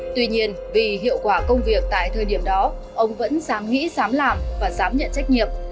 tuy nhiên vì hiệu quả công việc tại thời điểm đó ông vẫn dám nghĩ dám làm và dám nhận trách nhiệm